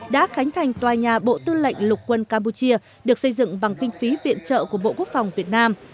đã khánh thành tòa nhà bộ tư lệnh lục quân campuchia được xây dựng bằng kinh phí viện trợ của bộ quốc phòng việt nam